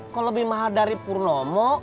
kalau lebih mahal dari purnomo